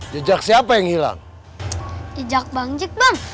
jejak siapa yang hilang jejak bang jek